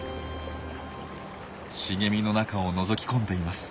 茂みの中をのぞき込んでいます。